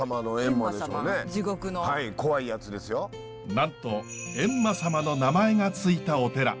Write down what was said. なんと閻魔様の名前が付いたお寺。